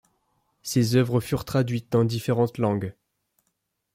Ses œuvres furent traduites dans différentes langues.